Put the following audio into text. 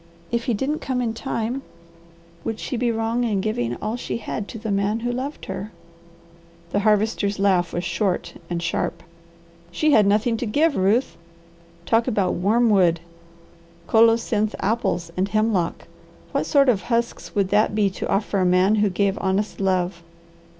If he didn't come in time, would she be wrong in giving all she had to the man who loved her?" The Harvester's laugh was short and sharp. "She had nothing to give, Ruth! Talk about worm wood, colocynth apples, and hemlock! What sort of husks would that be to offer a man who gave honest love?